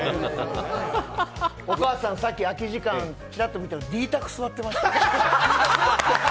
お母さん、さっき空き時間ちらっと見たらＤ卓、座ってました。